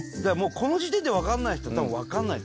この時点で分かんない人たぶん分かんない。